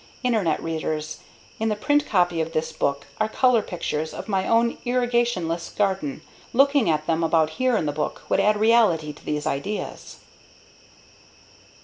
_ Internet Readers: In the print copy of this book are color pictures of my own "irrigationless" garden. Looking at them about here in the book would add reality to these ideas.